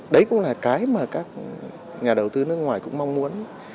đấy cũng là cái mà các nhà đầu tư nước ngoài cũng mong muốn